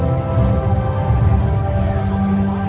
สโลแมคริปราบาล